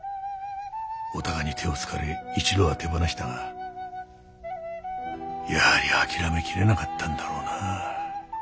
おたかに手をつかれ一度は手放したがやはり諦めきれなかったんだろうな。